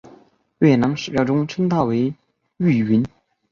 越南史料中称她为玉云。